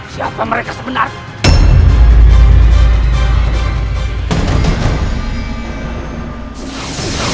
siapa mereka sebenarnya